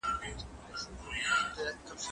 هغه څوک چي تمرين کوي قوي وي،